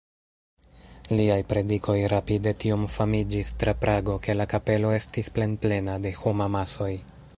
Liaj predikoj rapide tiom famiĝis tra Prago, ke la kapelo estis plenplena de homamasoj.